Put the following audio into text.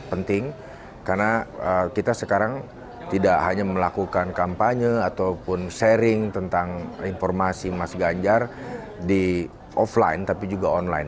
penting karena kita sekarang tidak hanya melakukan kampanye ataupun sharing tentang informasi mas ganjar di offline tapi juga online